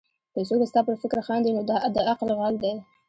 که څوک ستا پر فکر خاندي؛ نو دا د عقل غل دئ.